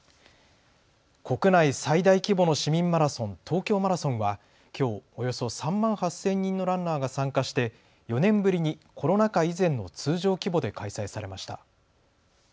国内最大規模の市民マラソン、東京マラソンはきょうおよそ３万８０００人のランナーが参加して４年ぶりにコロナ禍以前の通常規模で開催されました。